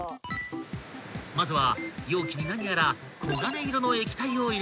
［まずは容器に何やら黄金色の液体を入れていく］